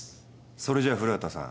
それじゃ古畑さん。